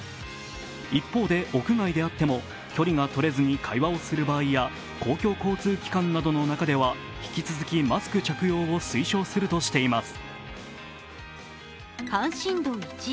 一方で、屋外であっても、距離がとれずに会話をする場合は公共交通機関などの中では引き続きマスク着用を推奨するとしています。